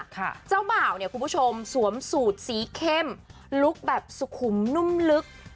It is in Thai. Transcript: เจ้าบ่าวเนี่ยคุณผู้ชมสวมสูตรสีเข้มลุคแบบสุขุมนุ่มลึก